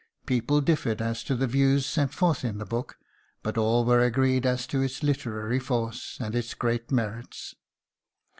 People differed as to the views set forth in the book, but all were agreed as to its literary force and its great merits.